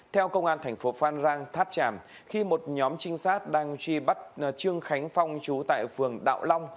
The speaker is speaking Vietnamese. theo công an thành phố phan rang tháp tràm khi một nhóm trinh sát đang truy bắt trương khánh phong chú tại phường đạo long